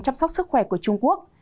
chăm sóc sức khỏe của trung quốc